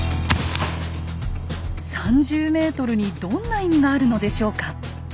３０ｍにどんな意味があるのでしょうか？